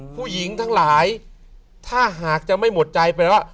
ผู้หญิงทั้งหลายถ้าหากจะไม่หมดใจแปลว่า